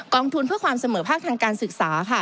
ทุนเพื่อความเสมอภาคทางการศึกษาค่ะ